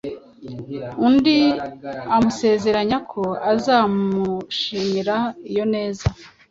undi amusezeranya ko azamushimira iyo neza